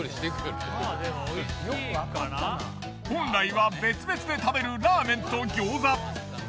本来は別々で食べるラーメンと餃子。